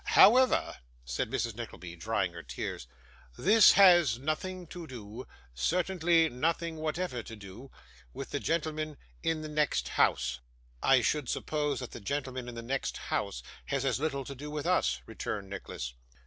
'However,' said Mrs. Nickleby, drying her tears, 'this has nothing to do certainly nothing whatever to do with the gentleman in the next house.' 'I should suppose that the gentleman in the next house has as little to do with us,' returned Nicholas.